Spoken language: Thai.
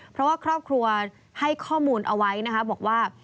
เพราะว่าครอบครัวให้ข้อมูลเอาไว้นะคะบอกว่า